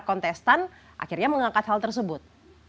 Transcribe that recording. kontestan akhirnya mengangkat hal tersebut